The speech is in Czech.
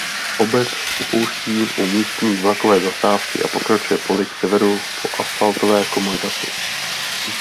Obec opouští u místní vlakové zastávky a pokračuje poli k severu po asfaltové komunikaci.